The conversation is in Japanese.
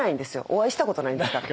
お会いしたことないんですから。